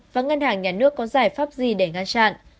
và ngân hàng nhà nước có giải pháp gì để ngăn chặn